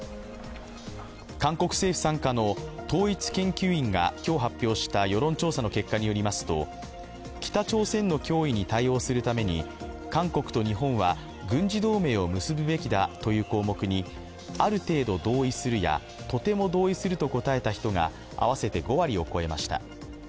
韓国政府傘下の統一研究院が今日発表した世論調査の結果によりますと北朝鮮の脅威に対応するために韓国と日本は軍事同盟を結ぶべきだという項目にある程度同意するやとても同意すると答えた人が合わせて５割を超えました。